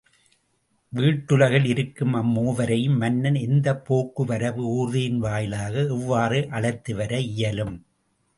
வீட்டுலகில் இருக்கும் அம்மூவரையும் மன்னன் எந்தப் போக்கு வரவு ஊர்தியின் வாயிலாக எவ்வாறு அழைத்து வர இயலும்?